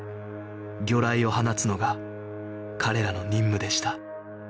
魚雷を放つのが彼らの任務でした